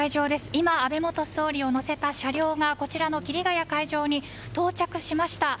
今、安倍元総理を乗せた車両がこちらの桐ヶ谷斎場に到着しました。